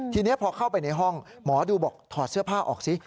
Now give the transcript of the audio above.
ทีนี้พอเข้าไปในห้องหมอดูบอกถอดเสื้อผ้าออกซิ